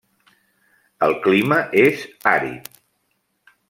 El clima és àrid.